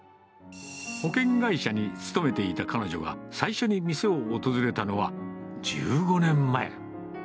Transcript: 保険会社に勤めていた彼女が最初に店を訪れたのは、１５年前。